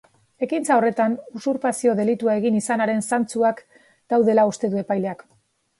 Ekintza horretan, usurpazio delitua egin izanaren zantzuak daudela uste du epaileak.